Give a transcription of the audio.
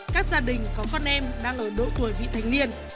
các gia đình có con em đang ở độ tuổi vị thành niên